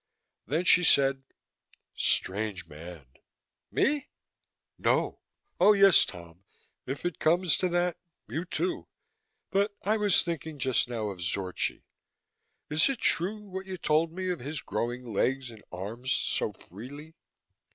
Then she said: "Strange man." "Me?" "No. Oh, yes, Tom, if it comes to that, you, too. But I was thinking just now of Zorchi. Is it true, what you told me of his growing legs and arms so freely?"